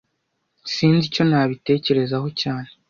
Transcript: Sinzi icyo nabitekerezaho cyane